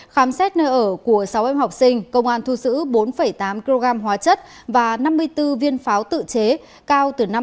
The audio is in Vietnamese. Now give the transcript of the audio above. khám xét nơi ở của sáu em học sinh công an thu sữ bốn tám kg hóa chất và năm mươi bốn viên pháo tự chế cao từ năm cm đến hai mươi cm